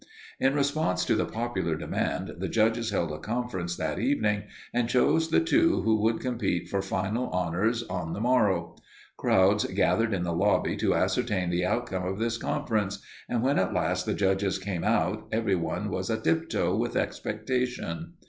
In response to the popular demand, the judges held a conference that evening and chose the two who would compete for final honors on the morrow. Crowds gathered in the lobby to ascertain the outcome of this conference, and when at last the judges came out everyone was a tiptoe with expectation.